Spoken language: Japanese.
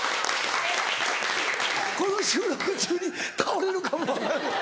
この収録中に倒れるかも分からない？